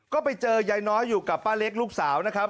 ก็ไปเจอยายน้อยอยู่กับป้าเล็กลูกสาวนะครับ